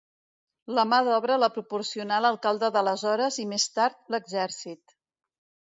La mà d'obra la proporcionà l'alcalde d'aleshores i més tard, l'exèrcit.